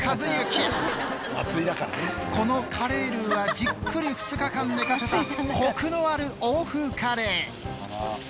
このカレールウはじっくり２日間寝かせたコクのある欧風カレー。